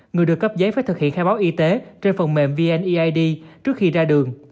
người được cấp giấy phải thực hiện khai báo y tế trên phần mềm vneid trước khi ra đường